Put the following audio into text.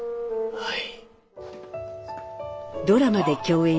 はい。